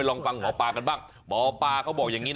โอพอป่ากะบ้าง